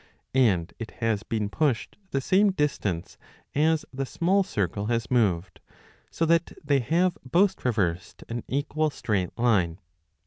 And it 5 has been pushed the same distance as the small circle has moved ; so that they have both traversed an equal straight line.